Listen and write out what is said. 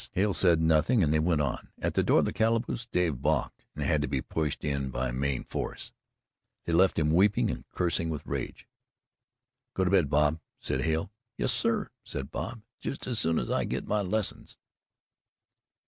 Hale said nothing and they went on. At the door of the calaboose Dave balked and had to be pushed in by main force. They left him weeping and cursing with rage. "Go to bed, Bob," said Hale. "Yes, sir," said Bob; "just as soon as I get my lessons."